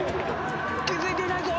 気付いていないぞ。